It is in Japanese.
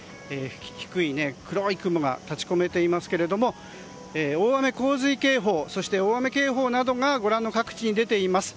低い黒い雲が立ち込めていますが大雨・洪水警報、大雨警報などがご覧の各地に出ています。